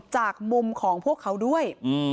จากมุมของพวกเขาด้วย